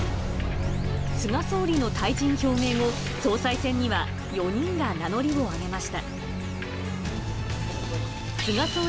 菅総理の退陣表明後、総裁選には、４人が名乗りを上げました。